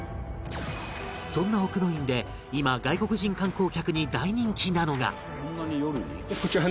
そんな奥之院で今外国人観光客に大人気なのが